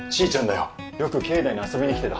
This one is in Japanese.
よく境内に遊びにきてた。